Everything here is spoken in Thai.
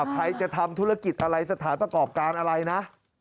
ใครจะทำธุรกิจอะไรสถานประกอบการอะไรนะ